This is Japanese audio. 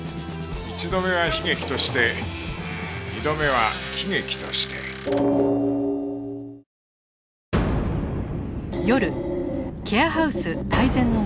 一度目は悲劇として二度目は喜劇としてせーの。